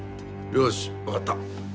よしわかった。